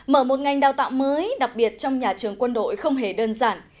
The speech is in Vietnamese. mở một ngành đào tạo mới đặc biệt trong nhà trường quân đội không hề đơn giản